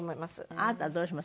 あなたはどうします？